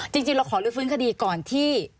จริงเราขอลื้อฟื้นคดีก่อนที่